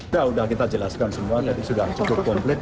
sudah sudah kita jelaskan semua jadi sudah cukup komplit